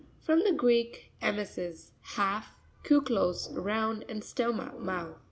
—F rom the Greek, emisus, half, kuklos, round, and stoma, mouth.